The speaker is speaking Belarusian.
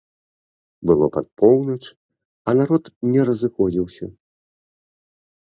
Было пад поўнач, а народ не разыходзіўся.